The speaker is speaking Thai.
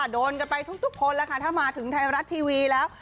โดนจะไปทุกคนถ้ามาถึงไทยรัฐทีวีแล้ว